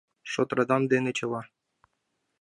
Шот-радам дене чыла